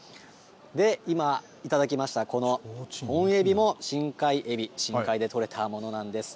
今、頂きました、この本エビも深海エビ、深海で取れたものなんです。